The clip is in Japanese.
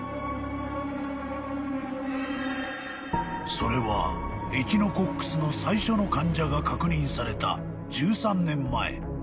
［それはエキノコックスの最初の患者が確認された１３年前］